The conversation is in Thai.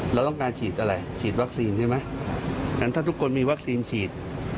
เราต้องการฉีดอะไรฉีดวัคซีนใช่ไหมงั้นถ้าทุกคนมีวัคซีนฉีด